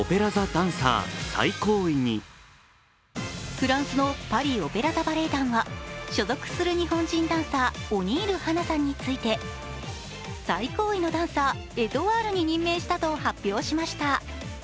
フランスのパリ・オペラ座バレエ団は所属する日本人ダンサーオニール八菜さんについて最高位のダンサー、エトワールに任命したと発表しました。